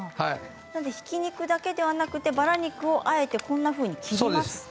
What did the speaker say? なのでひき肉だけじゃなくバラ肉をあえてこんなふうに切ります。